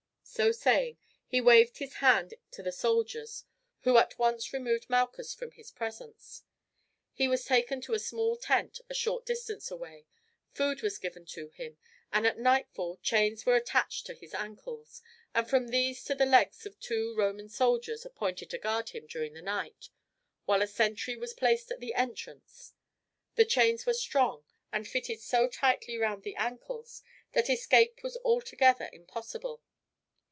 So saying he waved his hand to the soldiers, who at once removed Malchus from his presence. He was taken to a small tent a short distance away, food was given to him, and at nightfall chains were attached to his ankles, and from these to the legs of two Roman soldiers appointed to guard him during the night, while a sentry was placed at the entrance. The chains were strong, and fitted so tightly round the ankles that escape was altogether impossible.